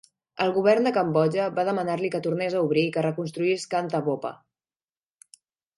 El govern de Cambodja va demanar-li que tornes a obrir i que reconstruís Kantha Bopha.